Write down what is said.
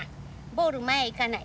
ボール前いかない。